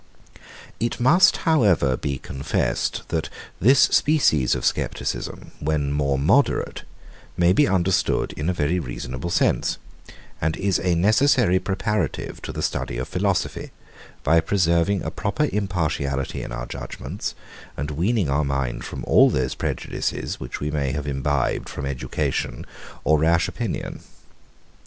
It must, however, be confessed, that this species of scepticism, when more moderate, may be understood in a very reasonable sense, and is a necessary preparative to the study of philosophy, by preserving a proper impartiality in our judgements, and weaning our mind from all those prejudices, which we may have imbibed from education or rash opinion.